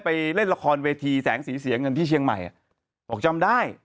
เล่นละครเวทีแสงสีเสียเงินที่เชียงใหม่บอกจำได้